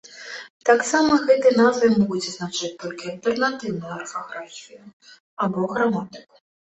Таксама гэтай назвай могуць азначаць толькі альтэрнатыўную арфаграфію або граматыку.